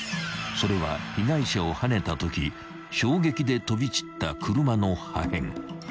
それは被害者をはねたとき衝撃で飛び散った］